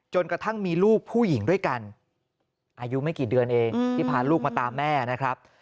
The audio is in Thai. กระทั่งมีลูกผู้หญิงด้วยกันอายุไม่กี่เดือนเองที่พาลูกมาตามแม่นะครับ